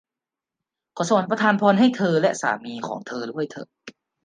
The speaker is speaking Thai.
ขอสวรรค์ประทานพรให้เธอและสามีของเธอด้วยเถอะ !